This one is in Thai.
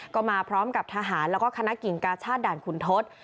ก็มาพร้อมกับทหารแล้วก็คณะกิ่งกาชาติด่านขุนทศ